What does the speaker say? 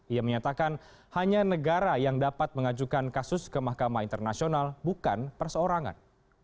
ia menyatakan hanya negara yang dapat mengajukan kasus ke mahkamah internasional bukan perseorangan